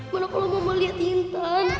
mana kalau mama lihat intan